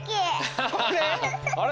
あれ？